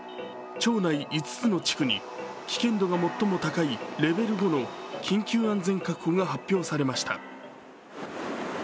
町内５つの地区に危険度が最も高いレベル５の緊急安全確保が発表されました。